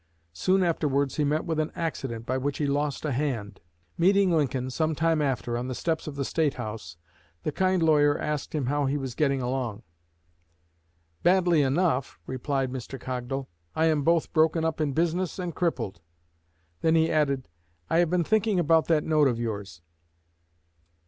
Soon afterwards he met with an accident by which he lost a hand. Meeting Lincoln some time after, on the steps of the State House, the kind lawyer asked him how he was getting along. "Badly enough," replied Mr. Cogdal. "I am both broken up in business and crippled." Then he added, "I have been thinking about that note of yours."